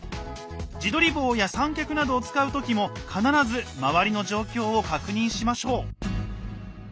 自撮り棒や三脚などを使う時も必ず周りの状況を確認しましょう。